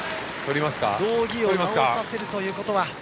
道着を直させるということは。